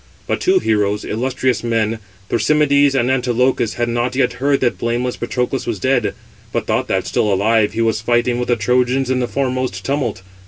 But two heroes, illustrious men, Thrasymedes and Antilochus, had not yet heard that blameless Patroclus was dead; but thought that, still alive, he was fighting with the Trojans in the foremost tumult.